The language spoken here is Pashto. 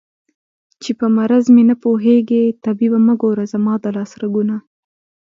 چې په مرض مې نه پوهېږې طبيبه مه ګوره زما د لاس رګونه